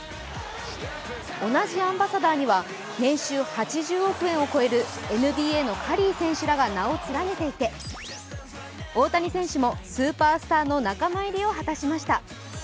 同じアンバサダーには、年収８０億円を超えるＮＢＡのカリー選手らが名を連ねていて、大谷選手もスーパースターの仲間入りを果たしました。